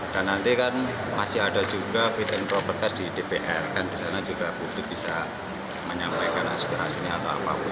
dan nanti kan masih ada juga bn properties di dpr kan disana juga publik bisa menyampaikan aspirasinya atau apapun